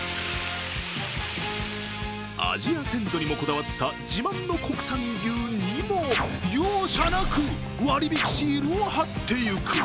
味や鮮度にもこだわった自慢の国産牛にも容赦なく割引シールを貼っていく。